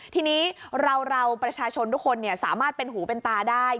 ทีนี้เราประชาชนทุกคนสามารถเป็นหูเป็นตาได้